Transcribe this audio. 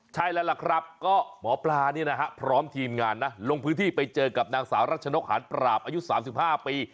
ใช่แล้วล่ะครับก็หมอปลาพร้อมทีมงานนะลงพื้นที่ไปเจอกับนางสาวรัชนกหารปราบอายุ๓๕ปี